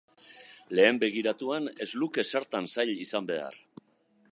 Lehen begiratuan, ez luke zertan zail izan behar.